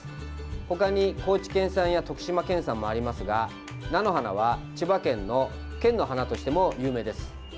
他に徳島県産や高知県産のものもありますが菜の花は千葉県の県の花としても有名です。